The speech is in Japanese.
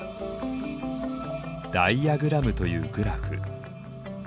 ダイアグラムというグラフ。